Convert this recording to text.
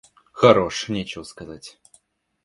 Хорош, нечего сказать!